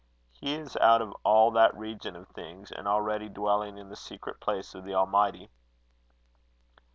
He is out of all that region of things, and already dwelling in the secret place of the Almighty."